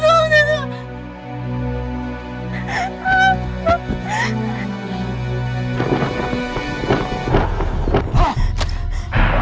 tuhan tidak akan menang